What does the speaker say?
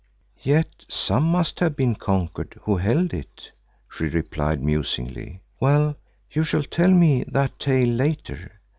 "Yet some must have been conquered who held it," she replied musingly. "Well, you shall tell me that tale later.